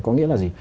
có nghĩa là gì